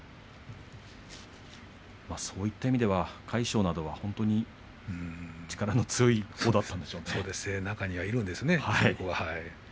そういった意味では魁勝などは本当に中にはそういう子がいるんですね。